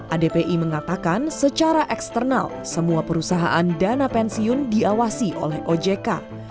adpi mengatakan secara eksternal semua perusahaan dana pensiun diawasi oleh ojk